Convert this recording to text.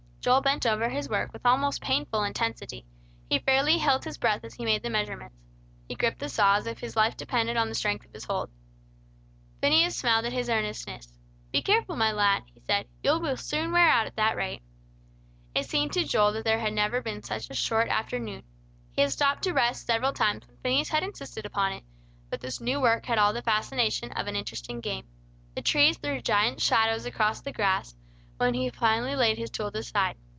Joel bent over his work with almost painful intensity. He fairly held his breath, as he made the measurements. He gripped the saw as if his life depended on the strength of his hold. Phineas smiled at his earnestness. "Be careful, my lad," he said. "You will soon wear out at that rate." It seemed to Joel that there never had been such a short afternoon. He had stopped to rest several times, when Phineas had insisted upon it; but this new work had all the fascination of an interesting game. The trees threw giant shadows across the grass, when he finally laid his tools aside.